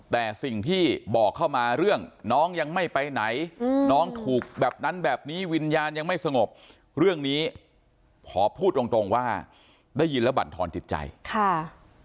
แต่สิ่งที่บอกเข้ามาเรื่องน้องยังไม่ไปไหนน้องถูกแบบนั้นแบบนี้วิญญาณยังไม่สงบเรื่องนี้ขอพูดตรงตรงว่าได้ยินแล้วบรรทอนจิตใจค่ะ